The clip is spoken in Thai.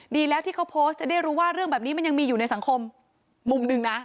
ดีแล้วที่เขาโพสต์จะได้รู้ว่าเรื่องแบบนี้มันยังมีอยู่ในสังคมมุมหนึ่งนะ